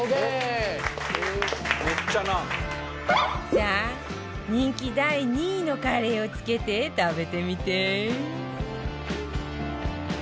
さあ人気第２位のカレーをつけて食べてみて